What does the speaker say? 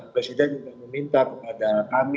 presiden juga meminta kepada kami